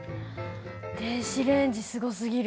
電子レンジすごすぎる。